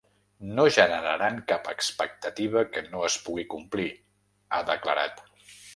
No generaran cap expectativa que no es pugui complir, ha declarat.